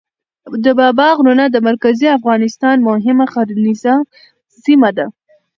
د بابا غرونه د مرکزي افغانستان مهمه غرنیزه سیمه ده.